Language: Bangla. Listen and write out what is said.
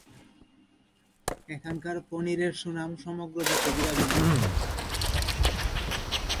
এখানকার পনিরের সুনাম সমগ্র দেশে বিরাজমান।